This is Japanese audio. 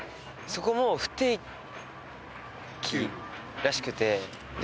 そこも不定期らしくて。